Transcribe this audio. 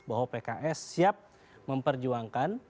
bahwa pks siap memperjuangkan